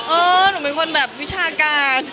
เออหนูเป็นคนแบบวิชาการ